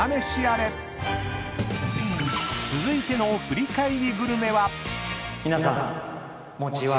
［続いての振り返りグルメは］